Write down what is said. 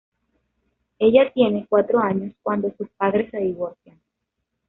Ella tiene cuatro años cuando sus padres se divorcian.